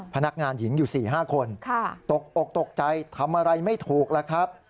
พนักงานหญิงอยู่๔๕คนตกอกตกใจทำอะไรไม่ถูกแล้วครับ